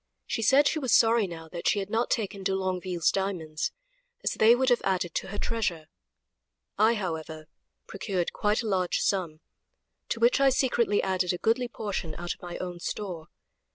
She said she was sorry now she had not taken de Longueville's diamonds, as they would have added to her treasure; I, however, procured quite a large sum, to which I secretly added a goodly portion out of my own store.